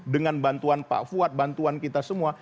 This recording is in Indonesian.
dengan bantuan pak fuad bantuan kita semua